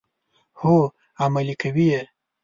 هو، عملي کوي یې.